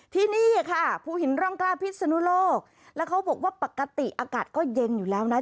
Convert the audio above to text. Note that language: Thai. ที่นี่ค่ะภูหินร่องกล้าพิศนุโลกแล้วเขาบอกว่าปกติอากาศก็เย็นอยู่แล้วนะ